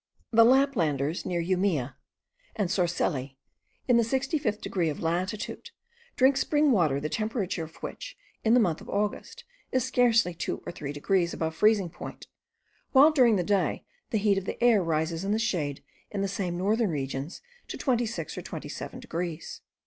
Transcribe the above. The Laplanders, near Umea and Soersele, in the 65th degree of latitude, drink spring water, the temperature of which, in the month of August, is scarcely two or three degrees above freezing point; while during the day the heat of the air rises in the shade, in the same northern regions, to 26 or 27 degrees.